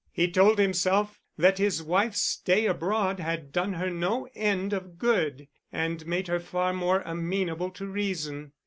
He told himself that his wife's stay abroad had done her no end of good, and made her far more amenable to reason.